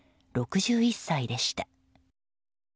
６１歳でした。